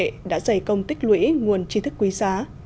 nghệ đã dày công tích lũy nguồn chi thức quý giá